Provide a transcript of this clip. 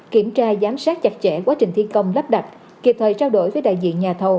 kiểm tra giám sát chặt chẽ quá trình thi công lắp đặt kịp thời trao đổi với đại diện nhà thầu